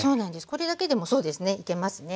これだけでもそうですねいけますね。